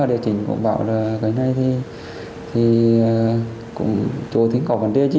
địa chính cũng bảo là cái này thì cũng cho thấy có vấn đề chứ